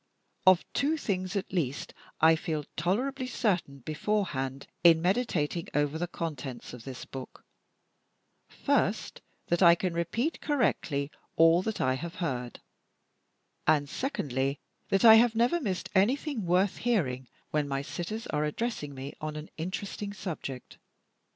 Of two things at least I feel tolerably certain beforehand, in meditating over the contents of this book: First, that I can repeat correctly all that I have heard; and, secondly, that I have never missed anything worth hearing when my sitters were addressing me on an interesting subject.